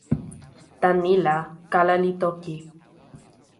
tan ni la, kala li toki: